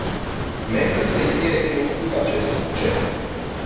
Merită să îi fie recunoscut acest succes.